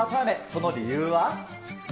その理由は。